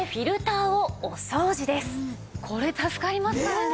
これ助かりますからね。